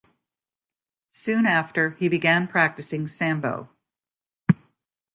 Soon after, he began practicing sambo.